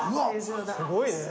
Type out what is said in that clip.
すごいね。